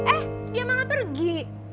eh dia malah pergi